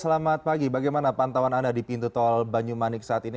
selamat pagi bagaimana pantauan anda di pintu tol banyumanik saat ini